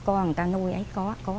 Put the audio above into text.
con người ta nuôi ấy có